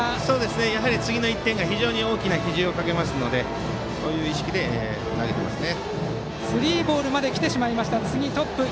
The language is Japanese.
やはり次の１点が非常に大きな比重をかけますのでそういう意識で投げていますね。